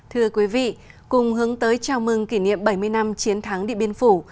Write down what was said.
thưa quý vị cùng hướng tới chào mừng kỷ niệm bảy mươi năm chiến thắng địa biên phủ